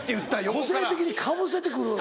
「個性的」にかぶせて来る。